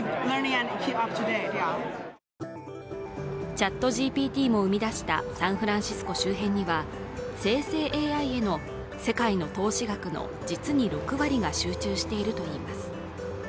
ＣｈａｔＧＰＴも生み出したサンフランシスコ周辺には、生成ＡＩへの世界の投資額の実に６割が集中しているといいます